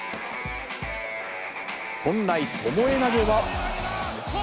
本来、巴投げは。